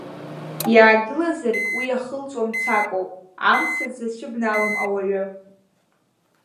Иаагылазаргь уи иахылҵуа мцакоуп, амца дзацәыбналом ауаҩы.